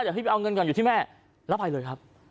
พี่ไปเอาเงินก่อนอยู่ที่แม่แล้วไปเลยครับ